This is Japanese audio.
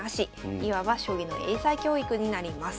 いわば将棋の英才教育になります。